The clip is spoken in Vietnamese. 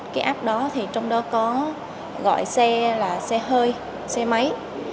cái app đó thì trong đó có gọi xe là xe hơi xe máy